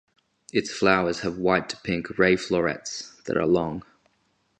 Its flowers have white to pink ray florets that are long.